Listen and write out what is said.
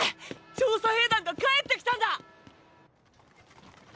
調査兵団が帰ってきたんだ！